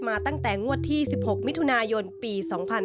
ตั้งแต่งวดที่๑๖มิถุนายนปี๒๕๕๙